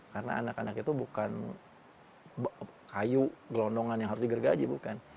karena anak anak itu bukan kayu gelondongan yang harus digergaji bukan